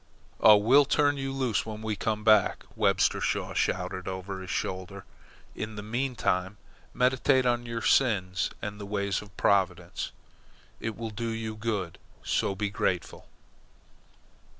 "Oh, we'll turn you loose when we come back," Webster Shaw shouted over his shoulder. "In the meantime meditate on your sins and the ways of Providence. It will do you good, so be grateful."